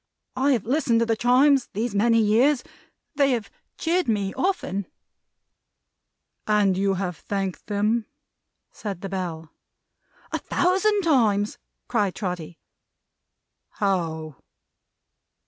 I have listened to the Chimes these many years. They have cheered me often." "And you have thanked them?" said the bell. "A thousand times!" cried Trotty. "How?"